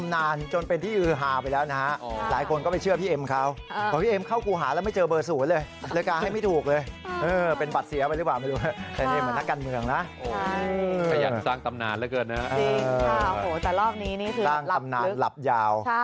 อ๋อนี่แหละ